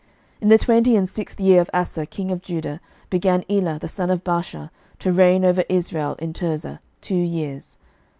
11:016:008 In the twenty and sixth year of Asa king of Judah began Elah the son of Baasha to reign over Israel in Tirzah, two years.